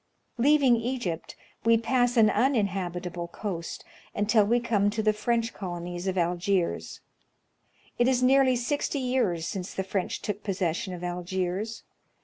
Leaving Egypt, we pass an uninhabitable coast, until we come to the French colonies of Algiers. It is nearly sixty years since 122 National Geographic Magazine. the French took possession of Algiers.